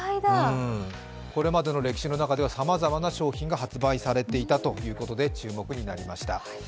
これまでの歴史の中ではさまざまな商品が発売されていたということで注目になりました。